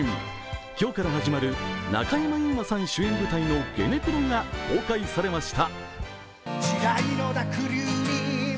今日から始まる中山優馬さん主演舞台のゲネプロが公開されました。